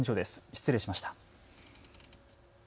失礼しました。